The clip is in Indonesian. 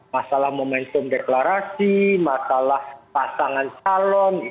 masalah momentum deklarasi masalah pasangan calon